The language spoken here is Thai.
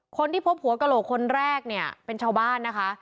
คนที่พบหัวกระโหลกคนแรกเนี่ยเป็นชาวบ้านนะคะ